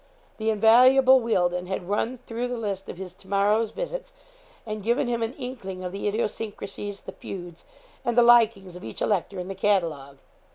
The invaluable Wealdon had run through the list of his to morrow's visits, and given him an inkling of the idiosyncrasies, the feuds, and the likings of each elector in the catalogue.